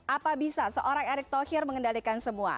apa bisa seorang erick thohir mengendalikan semua